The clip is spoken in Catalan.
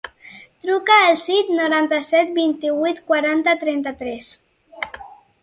Truca al sis, noranta-set, vint-i-vuit, quaranta, trenta-tres.